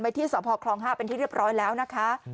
ที่สพคลอง๕เป็นที่เรียบร้อยแล้วนะคะ